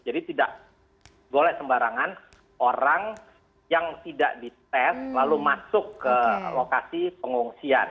jadi tidak boleh sembarangan orang yang tidak dites lalu masuk ke lokasi pengungsian